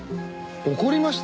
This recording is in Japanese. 怒りました？